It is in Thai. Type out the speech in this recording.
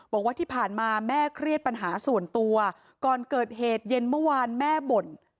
บอกว่าที่ผ่านมาแม่เครียดปัญหาส่วนตัวก่อนเกิดเหตุเย็นเมื่อวานแม่บ่น